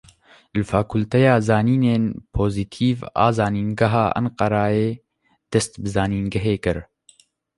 Li fakûlteya zanînên pozîtîv a Zanîngeha Enqereyê dest bi zanîngehê kir.